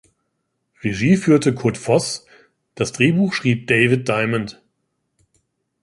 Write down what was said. Regie führte Kurt Voss, das Drehbuch schrieb David Diamond.